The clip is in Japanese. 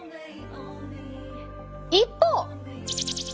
一方！